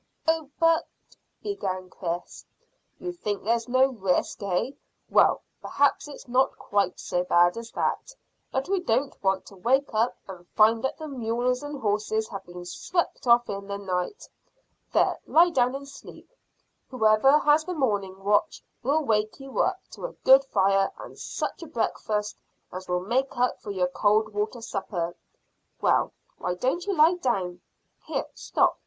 "Oh, but " began Chris. "You think there's no risk, eh? Well, perhaps it's not quite so bad as that, but we don't want to wake up and find that the mules and horses have been swept off in the night. There, lie down and sleep. Whoever has the morning watch will wake you up to a good fire and such a breakfast as will make up for your cold water supper. Well why don't you lie down? Here: stop!